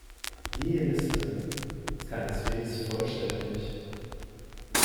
Die Liste ist keineswegs vollständig.